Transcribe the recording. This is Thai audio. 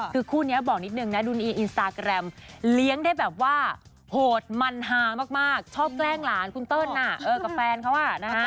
คือคู่นี้บอกนิดนึงนะดูดีอินสตาแกรมเลี้ยงได้แบบว่าโหดมันฮามากชอบแกล้งหลานคุณเติ้ลกับแฟนเขาอ่ะนะฮะ